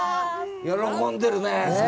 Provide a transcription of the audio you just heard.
喜んでるね。